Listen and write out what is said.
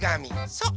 そう！